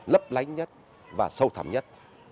lấp lánh nhất và sâu thẳm nhất